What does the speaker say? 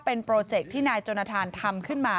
เป็นโปรเจคที่นายจนทานทำขึ้นมา